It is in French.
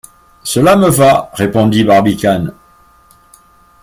Cela me va », répondit Barbicane.